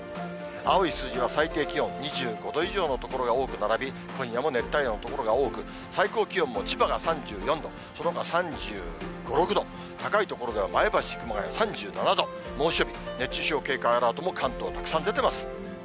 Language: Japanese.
青い数字は最低気温、２５度以上の所が多く並び、今夜も熱帯夜の所が多く、最高気温も千葉が３４度、そのほかは３５、６度、高い所では前橋、熊谷、３７度、猛暑日、熱中症警戒アラートも関東、たくさん出てます。